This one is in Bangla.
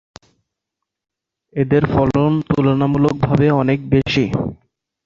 এদের ফলন তুলনামূলকভাবে অনেক বেশি।